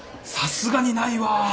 さすがにないわ。